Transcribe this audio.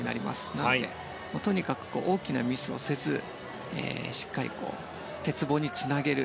なのでとにかく大きなミスをせずしっかり鉄棒につなげる。